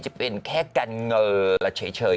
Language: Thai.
จะเป็นแค่กันเงอเฉย